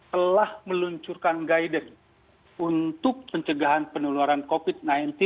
telah meluncurkan gaiden untuk pencegahan peneloran covid sembilan belas